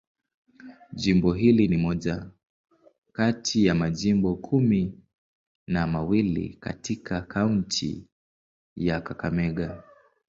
Jimbo hili ni moja kati ya majimbo kumi na mawili katika kaunti ya Kakamega.